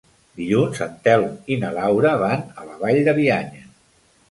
Dilluns en Telm i na Laura van a la Vall de Bianya.